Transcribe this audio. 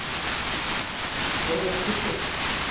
俺が喰ってやるよ